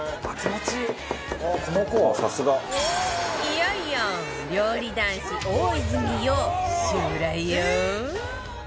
いよいよ料理男子大泉洋襲来よ